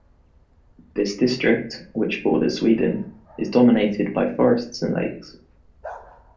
This district, which borders Sweden, is dominated by forests and lakes.